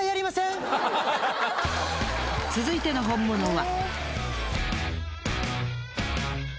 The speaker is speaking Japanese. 続いての本物は。